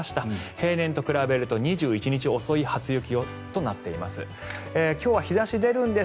平年と比べると２１日遅い初雪となっています。